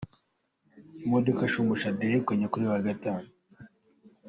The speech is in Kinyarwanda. Imodoka Shumbusho Adrien yegukanye kuri uyu wa Gatanu .